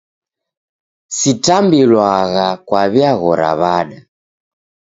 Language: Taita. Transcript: Sitambliwagha kwaw'iaghora w'ada.